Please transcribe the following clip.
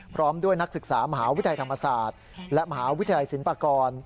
พร้อมด้วยนักศึกษามหาวิทยาลัยธรรมศาสตร์และมหาวิทยาลัยศิลปากร